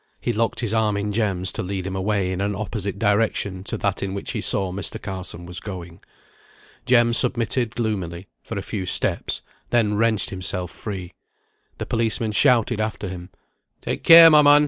He locked his arm in Jem's to lead him away in an opposite direction to that in which he saw Mr. Carson was going. Jem submitted gloomily, for a few steps, then wrenched himself free. The policeman shouted after him, "Take care, my man!